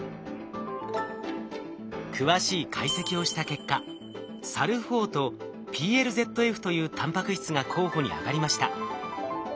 詳しい解析をした結果ＳＡＬＬ４とＰＬＺＦというタンパク質が候補に挙がりました。